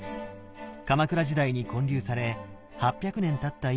鎌倉時代に建立され８００年たった